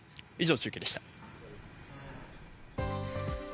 以上、中継でした。